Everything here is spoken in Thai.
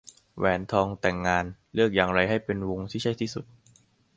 แหวนทองแต่งงาน เลือกอย่างไรให้เป็นวงที่ใช่ที่สุด